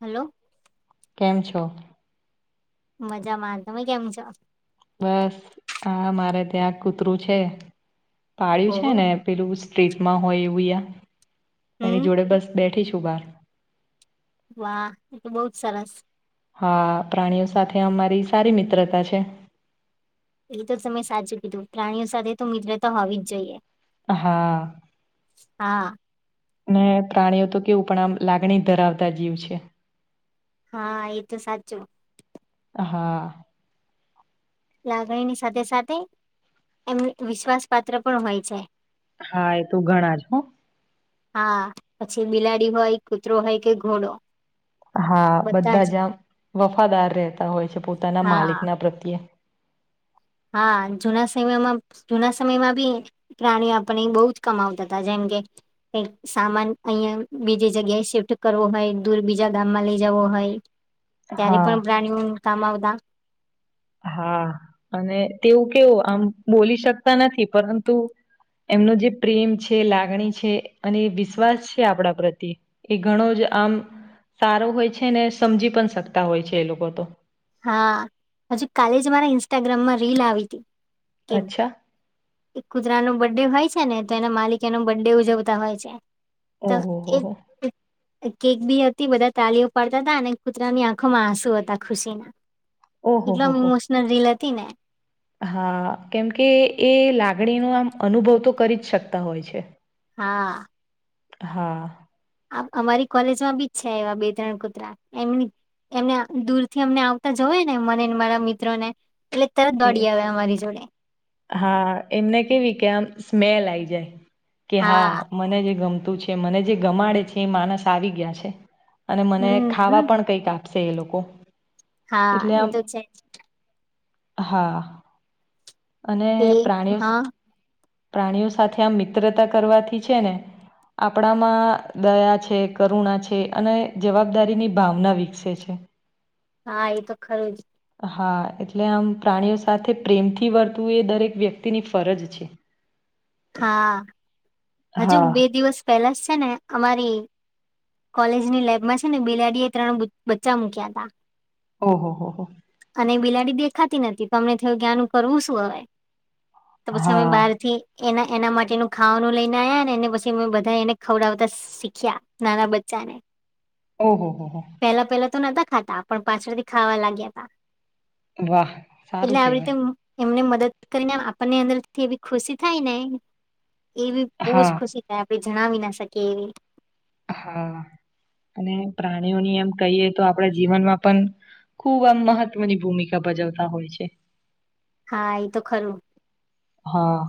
Hello કેમ છો? મજામાં, તમે કેમ છો? બસ હા મારે ત્યાં કૂતરું છે પાળિયું છે ઓહો ને પેલું સ્ટ્રીટમાં હોય એવું આ એની હમ જોડે બસ બેઠીછું બાર. વાહ એ તો બઉ જ સરસ. હા પ્રાણીઓ સાથે અમારી સારી મિત્રતા છે. એ તો તમે સાચું કીધું પ્રાણીઓ સાથે તો મિત્રતા હોવી જ જોઈએ. હા. હા ને પ્રાણીઓ તો કેવું પણ આમ લાગણી ધરાવતા જીવ છે. હા એ તો સાચું હા. લાગણીની સાથે સાથે એમ વિશ્વાસ પાત્ર પણ હોય છે. હા એ તું ઘણા જ હો. હા પછી બિલાડી હોય, કૂતરો હોય કે ઘોડો. હા બધા બધાજ જ આમ વફાદાર રહેતા હોય છે પોતાના માલિક હા ના પ્રત્યે. હા જૂના સમયમાં જૂના સમયમાં બી પ્રાણીઓ આપને બહુ જ કમાવતા હતા જેમ કે સામાન અહીંયા બીજી જગ્યાએ શિફ્ટ કરવો હોય દૂર બીજા ગામમાં લઇ જવો હોય ત્યારે હા પણ પ્રાણીઓ કામ આવતા. હા અને તેવું કેવું આમ બોલી શકતા નથી પરંતુ એમનો જે પ્રેમ છે, લાગણી છે, અને વિશ્વાસ છે આપણા પ્રત્ય એ ઘણો જ આમ સારું હોય છે ને સમજી પણ શકતા હોય છે એ લોકો તો. હા હજુ કાલે જ મારા ઇન્સ્ટાગ્રામમાં રીલ આવી કે અચ્છા એ કૂતરાનું બડે હોય છે ને તો એના માલિક એનો બર્થ ડે ઉજવતા હોય છે. તો ઓહ હો કેક બી હતી બધા તાલીઓ પાડતા હતા અને કૂતરાની આંખોમાં આંસુ હતા ખુશી ઓહો એટલો હો એમ હો ઇમોશનલ રીલ હતી ને હા કેમકે એ લાગણીનો આમ અનુભવ તો કરી જ શકતા હોય છે. હા. હા અમારી કોલેજમાં બી જ છે એવા બે ત્રણ કુતરા એમન એમને દૂર થી અમને આવતા જોઈ ને મનેને મારા મિત્રોને એટલે તરત એ દોડી આવે અમારી જોડે. હા એમને કેવી કે આમ સ્મેલ આઈ જાય કે હા મને જે ગમ તું મને જે ગમાડે છે, એ માણસ આવી ગયા છે અને મને હમ હમ ખાવા પણ કઈક આ આપશે એ લોકો હા, એટલે આમ એું છે. હા અને કે પ્રાણીઓ, હા પ્રાણીઓ સાથે આમ મિત્રતા કરવાથી, છેને. આપણામાં દયા છે, કરુણા છે, અને જવાબદારીની ભાવના વિકસે છે હા, એ તો ખરુંજ હા, એટલે આમ પ્રાણીઓ, સાથે પ્રેમથી. નથી, વર્તું એ દરેક વ્યક્તિની ફરજ છે. હા, હજુ બે હા દિવસ પહેલા જ છેને, અમારી કોલેજની લાઈફમાં છેને, બેિલાડી એ ત્રણ બચ્ચા મૂક્યા હતા. ઓહ, હો, હો અને બિલાડી દેખાતી નથી, અમને થ કરવું, શું હ તો પછી અમે હા બારથી એ એના, માટેનું ખાવાનું લઈ ને યા, નેને પછી મેં બધા, એને ખવડાવતા શીખ્યા નાના બચ્ચા ને ઓહ, હો, હો તો નતા ખાતા પણ પાછળથી, ખાવા લાગ્યા હતા. વાહ, એટલે સારું આવી રીતે કેવાય એમને મદદ કરીને, આપણની અંદરથી એવી ખુશી થાય, ને એ બહુ જ હા, ખુશી થાય. આપણે જણાવી ના શકીએ એવી હા અને પ્રાણીઓની એમ કહીએ, તો આપણે જીવનમા પણ ખુબ આમ મહત્વની ભૂમિકા, ભ બજવતા હોય છે. હા, એ તો ખરું હા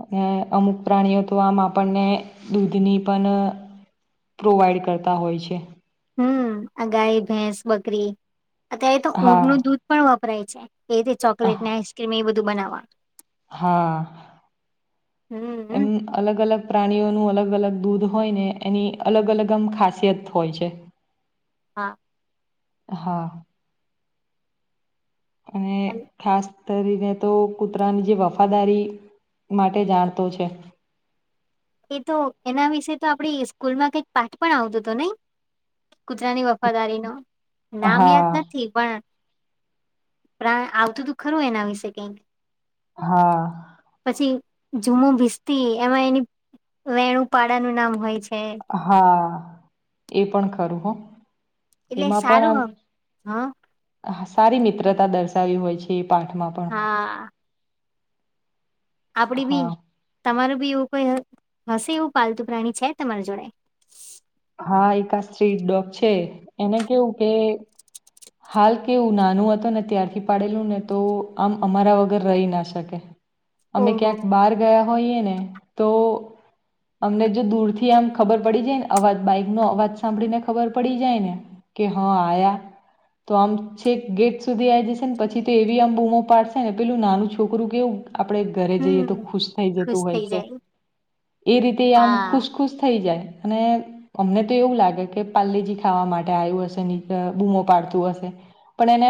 અને અમુક પ્રાણીઓ, તો આમ આપણને દૂધની પણ પ્રોવાઈડ કરતા હોય છે. હમ આ ગાય ભેંસ બકરી, અત્યારે તો ઊંટ હા. નું દૂધ પણ વપરાય છે. એ રીતે આહ ચોકલેટને આઈસક્રીમ, એ બધું બનાવવા હા, હમ એમ અલગ, અલગ પ્રાણીઓનું અલગ અલગ, અલગ દૂધ હોય, ને એની અલગ અલગ આમ ખાસિયત હોય છે. હા. હા અને, અન ખાસ કરીને, તો કૂતરાની જે વફાદારી માટે જાણતો છે. એ તો એના વિશે, તો આપડી સ્કૂલમાં કઈક પાઠ પણ આવતોું હતો, નઈ કુતરાની વફાદારી, ન નામ યાદ હા, નથી, પણ પ્રા આવતું, તું ખરું એના વિશે કઈક હા, પછી જુમુ ભીસ્તી એમાં એની વેણુંપાડાાનું નામ હોય, છે હા, એ પણ ખરું હો એટલે એમાં, સારું પણ આમ. હ આમ સારી મિત્રતા દર્શાવી હોય છે, એ પાઠમાં પણ હા આપડી, બી હા, તમારું બી એવું કોઈ હશે, એવું પાલતુ પ્રાણી છે, તમારી જોડે હા, એક આ સ્ટ્રીટ ડોગ છે, એને કેવું કે હાલ કેવું નાનું હત, ને ત્યારથી પાડેલું ને તો આમ અમારા વગર રહી, ના શકે અમે ઓહો ક્યાંક બહાર ગયા હોને, તો અમને જો દૂર થી, આમ ખબર પડી જાયને અવાજ બાઈક એમનો અવાજ સાંભળી ને ખબર પડી જાય, ને કે હા, આયા તો આમ છેક, ગેટ સુધી આ જશે ને પછી, તો એવી આમ બૂમો પાડશે ને પેલું નાનું છોકરું, કેવું આપડે ઘરે જઈએ, તો હમ ખુશ થઈ, ખુશ જતું હોય થઈ છે. જાય એ રીતે આમ હા ખુશ, ખુશ થઈ, જાય અને અમને, તો એવું લાગે કે પાલેજી ખાવા માટે આવ્યું હશે, ની બૂમો પાડતો હ પણ એને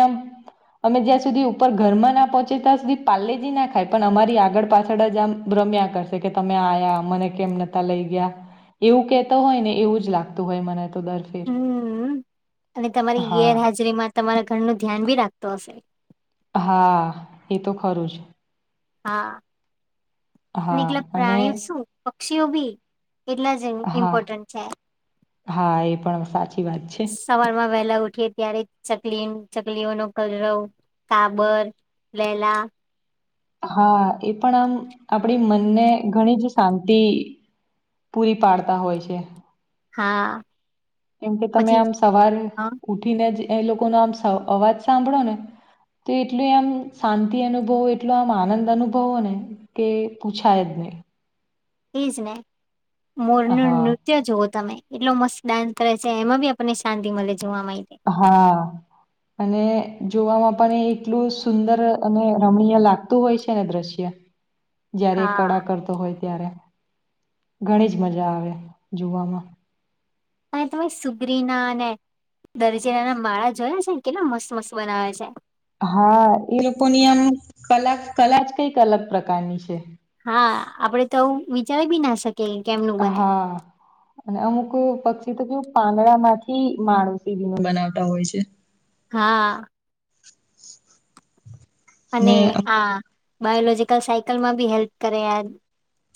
અમે જ્યાં સુધી ઉપર ઘરમાના પહોંચે, ત્યાં સુધી પાલેજના, ખાય પણ અમારી આગળ પાછળ જ મ્યા કરશે, કે તમે આ્યા મને કેમ નતા લઈ ગયા એવું કેતો હોય, ને એવું જ લાગતું હોય, મને તો દર ફેર હમ, અને તમારી હા ગેરહાજરી મા તમારા ઘરનું, ધ્યાન બી રાખતો હશે હા, એ તો ખરુંજ હા, હા અનેટલા અને પ્રાણીઓ, શું પક્ષીઓ બી એટલા જ હા ઇમ્પોર્ટન્ટ છે, હા એ પણ સાચી વાત છે સવારમાં વહેલા ઉઠ કે ત્યારે ચકલી, ચકલીઓ નો કલરવ સાાબર, લેલા હા, એ પણ આમ આપડી મનને ઘણી જ શાંતિ પૂરી પાડતા હોય છે. હા કેમ કે તમે પછી આમ સવાર હા ઉઠીને, જ એ લોકો ન આમ અવાજ સાંભળો ને તો એટલું એમ શાંતિ અનુભવ, એટલો આમ આનંદ અનુભવો ને કે પૂછાય જને એજ ને મોરનું, હા નૃત્ય જુવઓ તમે એટલો મસ્ત ડાન્સ કરે છે, એમાં આપણને શાંતિ મળે છે. હા, અને જોવામાં પણ એટલું સુંદર, અને રમણીય લાગતું હોય છે, ને દ્રશ્ય જયારે હા કળા કરતો હોય. ત્યારે ઘણી જ મજા આવે, જોવામા અને તમે સુગરીના, અનેને દરજીરા ના માળા જોયા છેને, કેટલો મસ્ત મસ્ત બનાવે છે. હા, એ લોકોની આમ કલા કલા જ કઈક અલગ પ્રકારની છે. હા, આપડે તોું વિચારી બી ના શકી, કેમનું બને હા અને અમુક પક્ષી, તો કેવું પાંદડા માંથી માણુસીી બીને બનાવતા હોય છે. હા અને ને અને આ બાયોલોજીકલ સાયકલમાં બી હેલ્પ, કરે યાર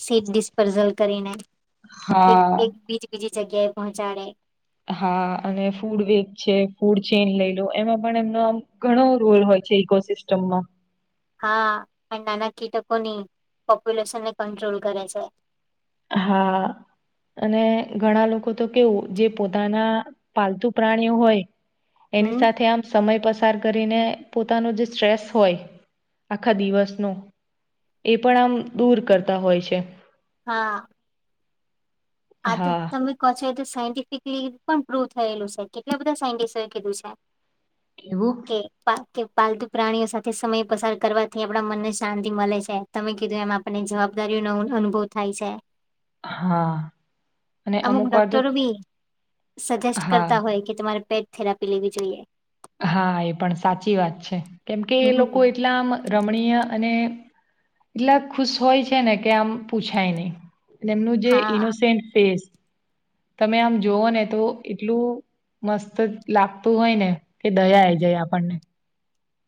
સીટ ડિસ્પઝલ કરીને એક, હા એક બીજી, બીજી જગ્યાએ, પહોંચાડે હા, અને ફૂડ વે છે, ફૂડ ચેન લઈ લો, એમાં પણ એમનો, આમ ઘણો રોલ હોય. ઇકોસિસ્ટમમા હા, નાના કીટકોની પોપ્યુલેશનને કંટ્રોલ કરે છે. હા અને ઘણા લોકો, તો કેવું જે પોતાના પાલતુ પ્રાણીઓ હોય. એની હમ સાથે, આમ સમય પસ પસાર કરીને પોતાનો જે સ્ટ્રેસ હોય, આખા દિવસનો એ પણ આમ દૂર કરતા હોય છે. હા આ તો હા. તમે ક છો, તો સાયન્ટિફિકલી પણ પ્રૂવ થયેલું છે, કેટલા બધા સાયન્ટિસ્ટોએ કીધું છે. એવું કે, બા કે પાલતુ પ્રાણીઓ સાથે સમય પસાર કરવાથી આપણા મનને શાંતિ મળે છે, તમે કીધું એમ આપણને જવાબ જબદારીઓ નો અનુભવ થાય છે. હા, અને અમુક વાર તો ડોક્ટરો બી સજેસ્ટ હા કરતા હોય કે તમારે પેટ થેરાપી લેવી જોઈએ. હા એ પણ સાચી વાત છે, કેમ કે એ લોકો હમ. એટલામ રમણીય અને એટલા ખુશ હોય છે ને કે આમ પૂછાય નહી અને એમનું જે હા ઈનોસેન્ટ ફેસ તમે આમ જોઓ ને તો એટલું મસ્ત લાગતું હોય ને કે દયા હ જય આપણને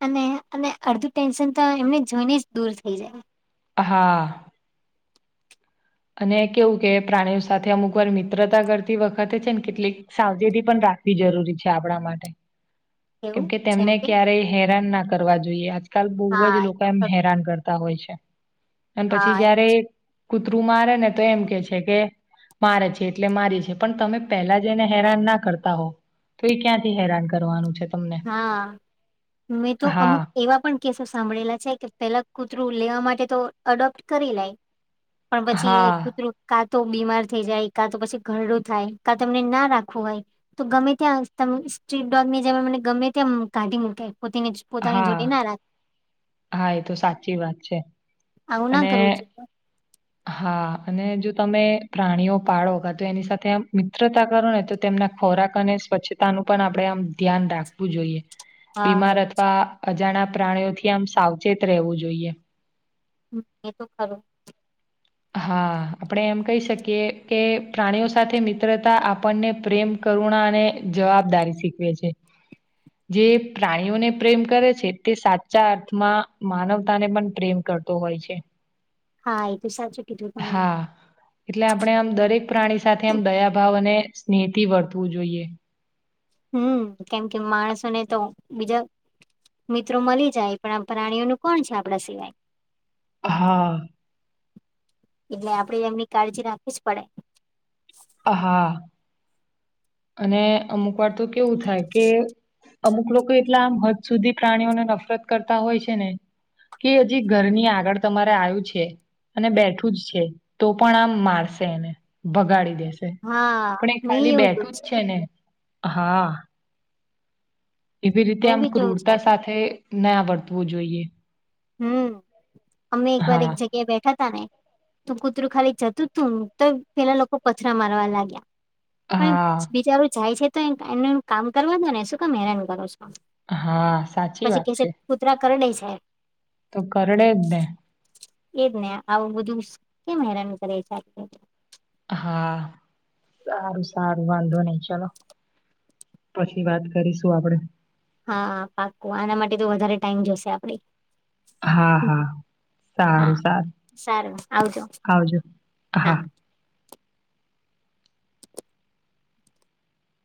અને અને અડધું ટેન્શન તો એમને જોઈને જ દૂર થઈ જાય. હા અને કેવું કે પ્રાણીઓ સાથે અમુક વાર મિત્રતા કરતી વખતે છે ને કેટલીક સાવજેતી પણ રાખ વી જરૂરી છે આપણા માટે. એવું કેમકે જેમ તેમને કે ક્યારેય હેરાન ના કરવા જોઈએ આજકાલ બહુ જ હા લોકો એમ હેરાન કર ત હોય છે, અને પછી હા જયારે કૂતરું મારે ને તો એમ કે છે કે મારે છે એટલે મારી છે પણ તમે પહેલા જ એને હેરાન ના કરતા હોવ તો એ ક્યાંથી હેરાન કરવાનું છે. તમને હા મેં તો અમુક હા એવા પણ કેસો સાંભળેલા છે કે પેલા કુ તરું લેવા માટે તો એડોપ્ટ કરી લે પણ પછી હા કૂતરું ને તો બીમાર થઈ જાય, કાં તો પછી ઘરડું થાય કા તમને ના રાખવું હોય તો ગમે ત્યાં ત સ્ટ્રીટ ડોગ ની જે મને ગમે ત કાઢી મૂકાય પોને પોતાની હા જોડે ના રાખ હા એ તો સાચી વાત છે આવું ના અને કરવું જોઈએ. હા. અને જો તમે પ્રાણીઓ પાળો કા તો એની સાથે મિત્રતા કરો ને તો તેમના ખોરાક અને સ્વચ્છતાનું પણ આપણે આમ ધ્યાન રાખવું જોઈએ. હા બીમાર અથવા અજાણા પ્રાણીઓથી આમ સાવચેત રહેવું જોઈએ. એ તો ખરું. હા આપણે એમ કહી શકીએ કે પ્રાણીઓ સાથે મિત્રતા આપણને પ્રેમ કરુણાને, જવાબદારી શીખવે છે. જે પ્રાણીઓને પ્રેમ કરે છે તે સાચા અર્થમાં માનવતા ને પણ પ્રેમ ક કરતો હોય છે. હા એ તો સાચું કીધું પણ હા એટલે આપણે આમ દરેક પ્રાણી સાથે આમ દયા ભાવ અને સ્નેહિતિ વર્તવું જોઈએ. હમ્મ કેમ કે માણસોને તો બીજા મિત્રો મળી જાય પણ આ પ્રાણીઓ ન કોણ છે આપડા સિવાય હા એટલે આપણેે એમની કાળજી રાખવી જ પડે. હા. અને અમુક વાર તો કેવું થાય કે અમુક લોકો એટલા આમ હદ સુધી પ્રાણીઓને નફરત કરતા હોય છે ને કે હજી ઘરની આગળ તમારે આવ્યું છે અને બેઠું જ છે તો પણ આમ મારશે એને ભગાડી દે હા પણ એ મેં ખાલી એવું જોયું બેઠું જ છે ને હા. એવી રીતે મેં આમ બી જોયું છે ક્રૂરતા સાથે ના વર્તવું જોઈએ. હમ્મ અમે એક વાર હા એક જગ્યાએ બેઠા તા ને તું કૂતરું ખાલી જતું તું તો પેલા લોકો પથરા મારવા લાગ્યા પણ હા બિચારું જાય છે તો એ એનું કામ કરવા દો ને શું કે હેરાન કરો છો હા સાચી પછી વાત કે છે કૂતરા કરડે છે તો કરડે જ ને એજ ને આવું બધું કેમ હેરાન કરે છે આટલું. હા સારું સા વાંધો નહી ચાલો પછી વાત કરીશું આપડે. હા પાકુ આના માટે તો વધારે ટાઇમ જશે આપડે હા હા. હા સારું સારું સારું આવજો આવજો હા.